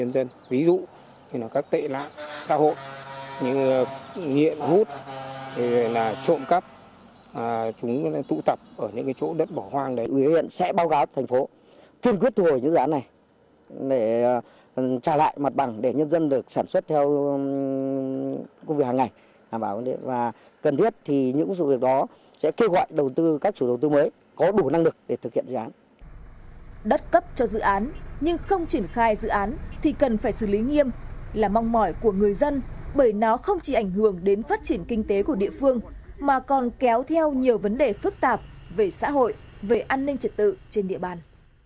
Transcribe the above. đất cấp cho dự án nhưng không triển khai dự án thì cần phải xử lý nghiêm là mong mỏi của người dân bởi nó không chỉ ảnh hưởng đến phát triển kinh tế của địa phương mà còn kéo theo nhiều vấn đề phức tạp về xã hội về an ninh trật tự trên địa bàn